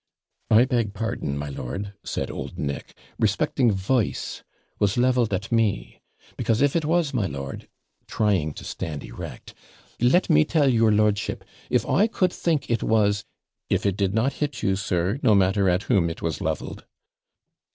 'I beg pardon, my lord,' said old Nick; 'respecting vice, was levelled at me; because, if it was, my lord,' trying to stand erect; 'let me tell your lordship, if I could think it was ' 'If it did not hit you, sir, no matter at whom it was levelled.'